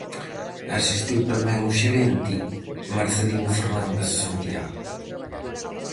Asistiu tamén o xerente, Marcelino Fernández Santiago.